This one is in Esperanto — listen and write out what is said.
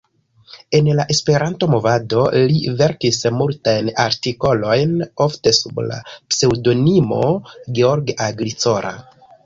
En la Esperanto-movado, li verkis multajn artikolojn, ofte sub la pseŭdonimo "George Agricola".